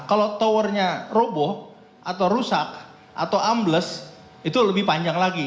kalau towernya robo atau rusak atau ambles itu lebih panjang lagi